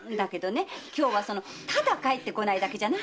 今日はただ帰ってこないだけじゃないんだよ。